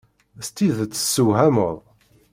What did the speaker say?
S tidet tessewhameḍ.